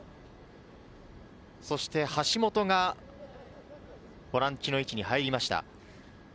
そして橋本がボランチの位置に入りました。